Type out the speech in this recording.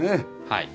はい。